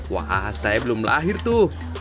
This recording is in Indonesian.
wah saya belum lahir tuh